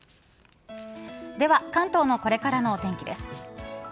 では、関東のこれからのお天気です。